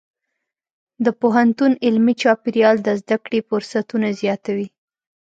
د پوهنتون علمي چاپېریال د زده کړې فرصتونه زیاتوي.